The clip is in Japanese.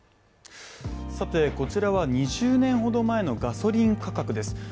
さて、こちらは２０年ほど前のガソリン価格です。